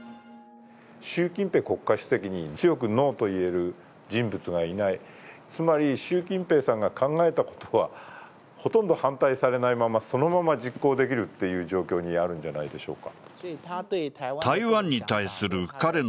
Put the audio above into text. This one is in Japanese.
習近平国家主席に強くノーと言える人物がいない、つまり習近平さんが考えたことはほとんど反対されないまま、そのまま実行できるという状況にあるんじゃないでしょうか。